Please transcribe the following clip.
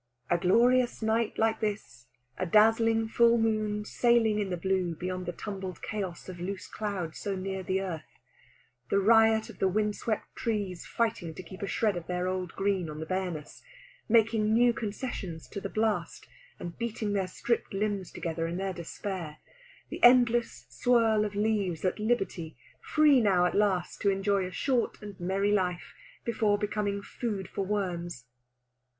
A glorious night like this; a dazzling full moon sailing in the blue beyond the tumbled chaos of loose cloud so near the earth; the riot of the wind swept trees fighting to keep a shred of their old green on their bareness, making new concessions to the blast, and beating their stripped limbs together in their despair; the endless swirl of leaves at liberty, free now at last to enjoy a short and merry life before becoming food for worms.